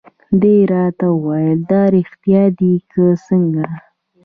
دې راته وویل: دا رېښتیا دي که څنګه؟